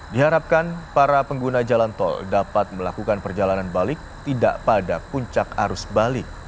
diharapkan para pengguna jalan tol dapat melakukan perjalanan balik tidak pada puncak arus balik